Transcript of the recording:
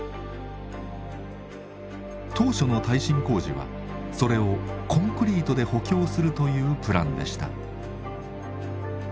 当初の耐震工事はそれをコンクリートで補強するというプランでした。